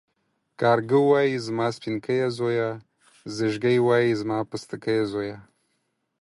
کارگه وايي زما سپينکيه زويه ، ځېږگى وايي زما پستکيه زويه.